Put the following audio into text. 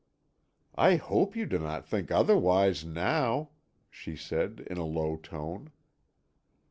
"I hope you do not think otherwise now," she said in a low tone.